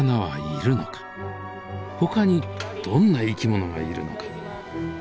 ほかにどんな生き物がいるのか？